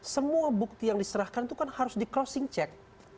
semua bukti yang diserahkan itu kan harus di crossing check